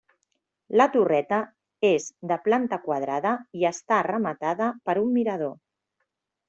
La torreta és de planta quadrada i està rematada per un mirador.